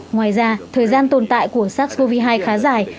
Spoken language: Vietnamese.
ngoài ra thời gian tồn tại của sars cov hai khá dài